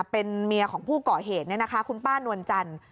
เป็นเมียของผู้ก่อเหตุเนี่ยนะคะคุณป้านวรรณจรรย์